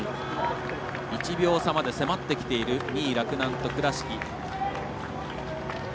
１秒差まで迫ってきている２位、洛南と倉敷。